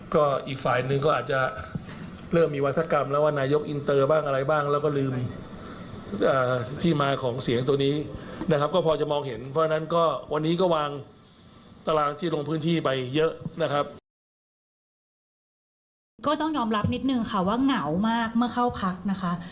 ก็ต้องยอมรับนิดหนึ่งค่ะว่าเหงามากเมื่อเข้าพักนะคะ